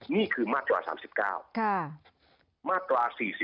นี่คือมาตรา๓๙